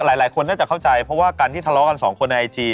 หลายคนน่าจะเข้าใจเพราะว่าการที่ทะเลาะกันสองคนในไอจี